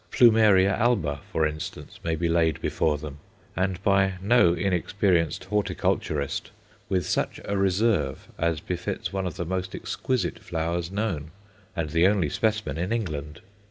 Plumeria alba, for instance, may be laid before them, and by no inexperienced horticulturist, with such a "reserve" as befits one of the most exquisite flowers known, and the only specimen in England.